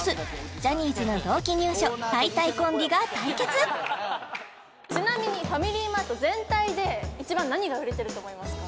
ジャニーズの同期入所たいたいコンビが対決ちなみにファミリーマート全体で一番何が売れてると思いますか？